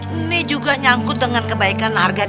ini juga nyangkut dengan kebaikan harga di rumahnya